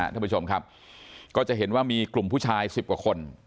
ท่านผู้ชมครับก็จะเห็นว่ามีกลุ่มผู้ชาย๑๐กว่าคน